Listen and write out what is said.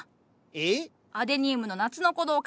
えっ？